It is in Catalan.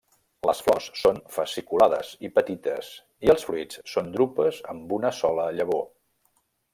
Les flors són fasciculades i petites i els fruits són drupes amb una sola llavor.